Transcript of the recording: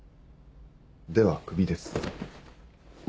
ではクビです。